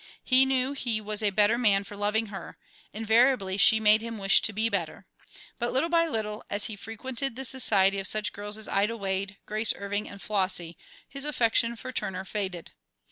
He knew he was a better man for loving her; invariably she made him wish to be better. But little by little as he frequented the society of such girls as Ida Wade, Grace Irving, and Flossie, his affection for Turner faded.